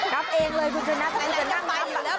นับเองเลยคุณชนะคุณจะนับ